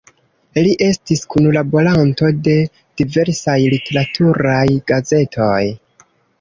Li estis kunlaboranto de diversaj literaturaj gazetoj.